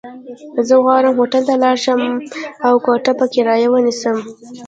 زه غواړم هوټل ته ولاړ شم، او کوټه په کرايه ونيسم.